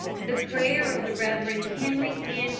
The prayer of the Rev. Henry N.